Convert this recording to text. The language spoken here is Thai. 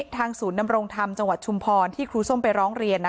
ศูนย์ดำรงธรรมจังหวัดชุมพรที่ครูส้มไปร้องเรียน